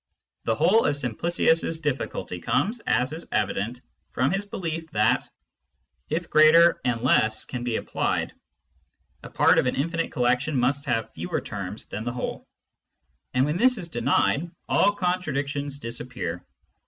The whole of Simplicius's difficulty comes, as is evident, from his belief that, if greater and less can be applied, a part of an infinite collection must have fewer terms than the whole ; and when this is denied, all contradictions disappear.